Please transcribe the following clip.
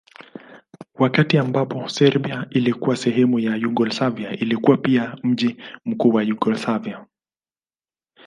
Wakati ambako Serbia ilikuwa sehemu ya Yugoslavia ilikuwa pia mji mkuu wa Yugoslavia.